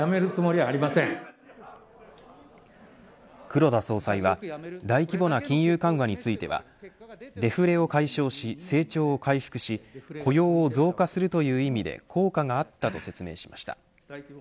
黒田総裁は大規模な金融緩和についてはデフレを解消し成長を回復し雇用を増加するという意味で効果があったと説明しました。